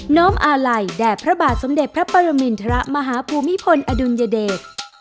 ้อมอาลัยแด่พระบาทสมเด็จพระปรมินทรมาฮภูมิพลอดุลยเดช